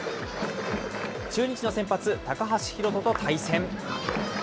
中日の先発、高橋宏斗と対戦。